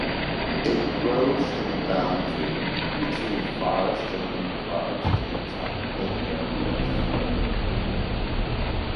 It grows in the boundary between forest and rainforest in tropical areas.